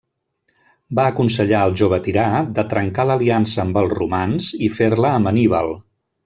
Va aconsellar al jove tirà de trencar l'aliança amb els romans i fer-la amb Anníbal.